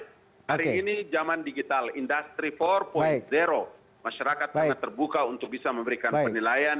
hari ini zaman digital industry empat masyarakat sangat terbuka untuk bisa memberikan penilaian